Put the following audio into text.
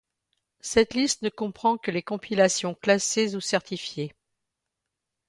Cette liste ne comprend que les compilations classées ou certifiées.